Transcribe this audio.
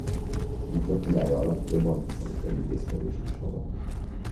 Diktatúrája alatt több antiszemita intézkedést is hozott.